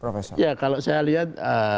profesor ya kalau saya lihat